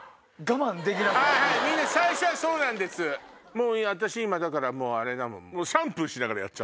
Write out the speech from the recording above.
もう私今だからあれだもん。